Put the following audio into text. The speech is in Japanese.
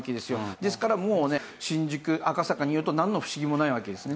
ですからもうね新宿赤坂にいようとなんの不思議もないわけですね。